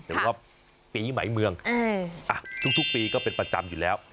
หรือว่าปีใหม่เมืองทุกปีก็เป็นประจำอยู่แล้ว